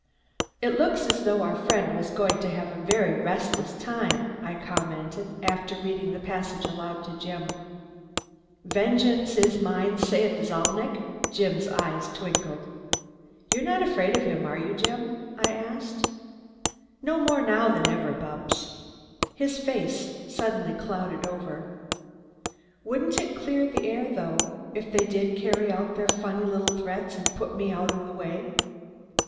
"It looks as though our friend was going to have a very restless time," I commented, after reading the passage aloud to Jim. "'Vengeance is mine,' saith Zalnitch." Jim's eyes twinkled. "You're not afraid of him, are you, Jim?" I asked. "No more now than ever, Bupps." His face suddenly clouded over. "Wouldn't it clear the air, though, if they did carry out their funny little threats and put me out of the way?